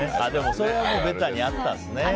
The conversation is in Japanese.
それはべたにあったんですね。